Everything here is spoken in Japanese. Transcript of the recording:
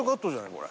これ。